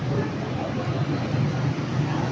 cái này dài bao tiền bao tiền đúng không